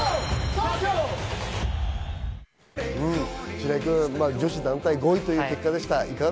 白井君、女子団体は５位という結果でした。